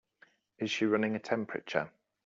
Is she running a temperature?